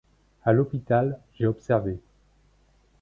À l’hôpital j’ai observé.